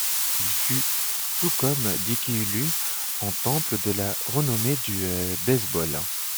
Il fut tout comme Dickey élu au Temple de la renommée du baseball.